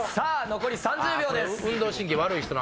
残り３０秒です。